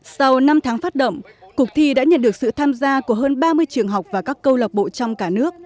sau năm tháng phát động cuộc thi đã nhận được sự tham gia của hơn ba mươi trường học và các câu lạc bộ trong cả nước